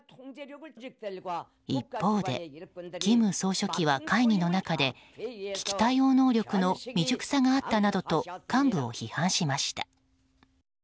一方で、金総書記は会議の中で危機対応能力の未熟さがあったなどと幹部を批判しました。